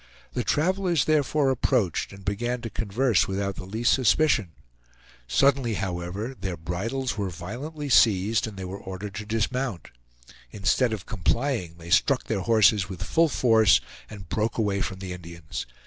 The travelers therefore approached, and began to converse without the least suspicion. Suddenly, however, their bridles were violently seized and they were ordered to dismount. Instead of complying, they struck their horses with full force, and broke away from the Indians.